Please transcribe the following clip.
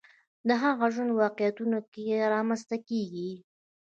د هغه ژوند واقعیتونو کې رامنځته کېږي